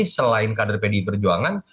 selain kader pdip berjuangan